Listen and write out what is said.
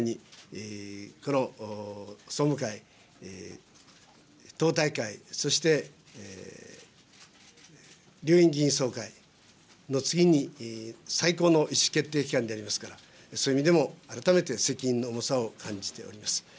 先ほど申し上げましたように、この総務会、党大会、そして両院議員総会、次に最高の意思決定機関でありますから、そういう意味でも、改めて責任の重さを感じております。